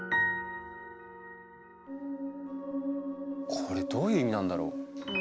これどういう意味なんだろう？